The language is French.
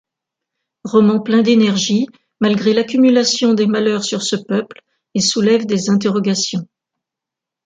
Roman plein d'énergie malgré l'accumulation des malheurs sur ce peuple, et soulève des interrogations.